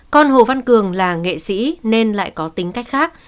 con hồ văn cường là nghệ sĩ nên lại có tính cách khác